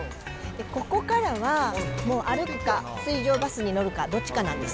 ここからは、もう歩くか、水上バスに乗るか、どっちかなんです。